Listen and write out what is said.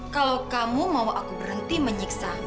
kalau kamu mau aku berhenti menyiksa